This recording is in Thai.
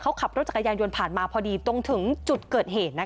เขาขับรถจักรยานยนต์ผ่านมาพอดีตรงถึงจุดเกิดเหตุ